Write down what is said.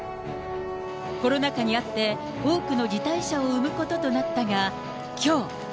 コロナ禍にあって、多くの辞退者を生むこととなったが、きょう。